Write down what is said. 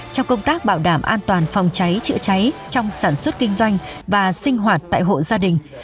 trong công tác bảo đảm an toàn phòng cháy chữa cháy trong sản xuất kinh doanh và sinh hoạt tại hộ gia đình